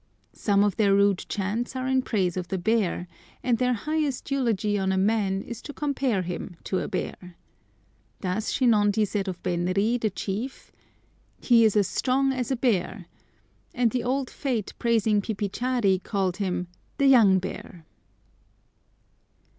Some of their rude chants are in praise of the bear, and their highest eulogy on a man is to compare him to a bear. Thus Shinondi said of Benri, the chief, "He is as strong as a bear," and the old Fate praising Pipichari called him "The young bear."